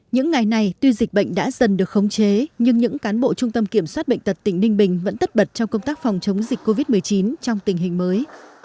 những ngày này tuy dịch bệnh đã dần được khống chế nhưng những cán bộ trung tâm kiểm soát bệnh tật tỉnh ninh bình vẫn tất bật trong công tác phòng chống dịch covid một mươi chín trong tình hình mới